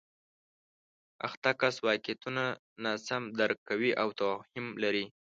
اخته کس واقعیتونه ناسم درک کوي او توهم لري